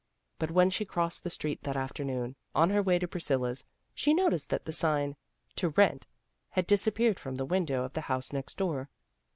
But when she crossed the street that afternoon, on her way to Priscilla's, she noticed that the sign " To Rent " had disappeared from the window of the house next door.